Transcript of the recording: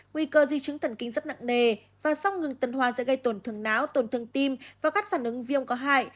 nguy cơ di chứng thần kinh rất nặng nề và sau ngừng tần hoa sẽ gây tổn thương não tổn thương tim và các phản ứng viêm có hại